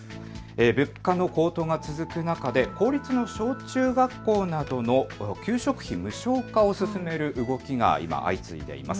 物価の高騰が続く中で公立の小中学校などの給食費無償化を進める動きが今、相次いでいます。